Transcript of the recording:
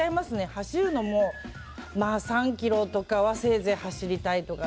走るのも、３ｋｍとかはせいぜい走りたいとか。